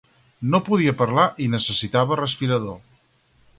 No podia parlar i necessitava respirador.